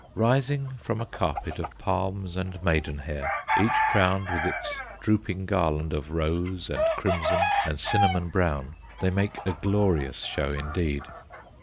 Rising from a carpet of palms and maidenhair, each crowned with its drooping garland of rose and crimson and cinnamon brown, they make a glorious show indeed.